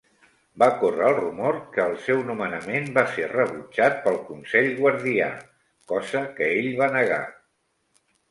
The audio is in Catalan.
Va córrer el rumor que el seu nomenament va ser rebutjat pel Consell Guardià, cosa que ell va negar.